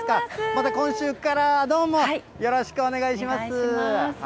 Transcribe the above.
また今週からどうも、よろしお願いします。